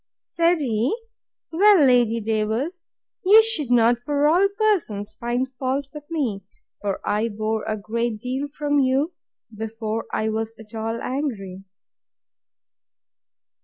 Said he, Well, Lady Davers, you should not, of all persons, find fault with me; for I bore a great deal from you, before I was at all angry.